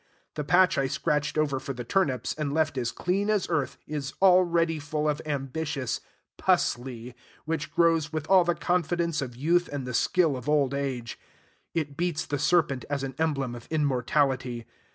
The patch I scratched over for the turnips, and left as clean as earth, is already full of ambitious "pusley," which grows with all the confidence of youth and the skill of old age. It beats the serpent as an emblem of immortality.